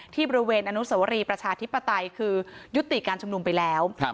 ที่บริเวณอนุสวรีประชาธิปไตยคือยุติการชุมนุมไปแล้ว